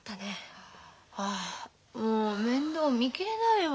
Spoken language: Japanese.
あもう面倒見きれないわ。